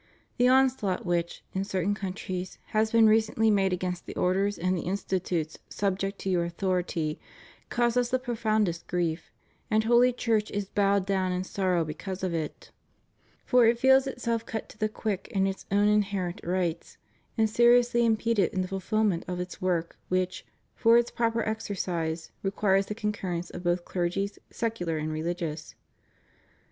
The onslaught which, in certain countries, has been recently made against the orders and the institutes subject to your authority, cause Us the profoundest grief, and holy Church is bowed down in sorrow because of it, for it THE RELIGIOUS CONGREGATIONS IN FRANCE. 505 feels itself cut to the quick in its own inherent rights, and seriously impeded in the fulfilment of its work which, for its proper exercise, requires the concurrence of both clergies, secular and religious.